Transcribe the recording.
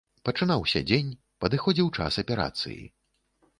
Пачынаўся дзень, падыходзіў час аперацыі.